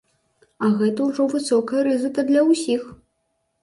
А гэта ўжо высокая рызыка для ўсіх.